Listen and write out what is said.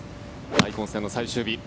大混戦の最終日。